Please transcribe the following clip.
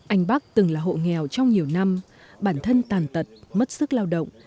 anh bắc từng là hộ nghèo trong nhiều năm bản thân tàn tật mất sức lao động